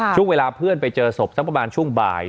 ช่วงเวลาเพื่อนไปเจอศพสักประมาณช่วงบ่าย